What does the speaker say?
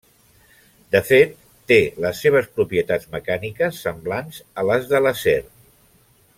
De fet, té les seves propietats mecàniques semblants a les de l'acer.